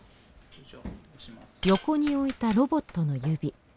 横に置いたロボットの指。